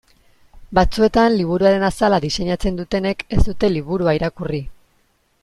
Batzuetan liburuaren azala diseinatzen dutenek ez dute liburua irakurri.